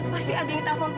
pasti ada yang telfon panggil